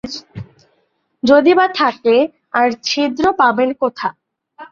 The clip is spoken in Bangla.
যদি-বা থাকে, আর ছিদ্র পাবেন কোথা?